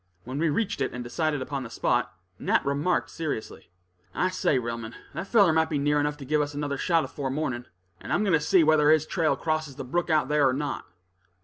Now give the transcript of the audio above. When we reached it, and decided upon the spot, Nat remarked seriously: "I say, Relmond, that feller might be near enough to give us another shot afore morning, and I'm going to see whether his trail crosses the brook out there or not."